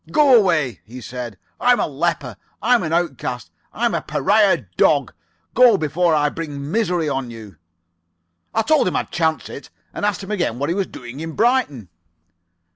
"'Go away,' he said. 'I'm a leper. I'm an outcast. I'm a pariah dog. Go before I bring misery on you.' "I told him I'd chance it, and asked him again what he was doing at Brighton.